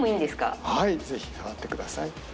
はい、ぜひ触ってください。